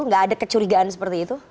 nggak ada kecurigaan seperti itu